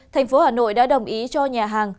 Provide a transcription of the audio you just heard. thành phố hà nội đã đồng ý cho nhà hàng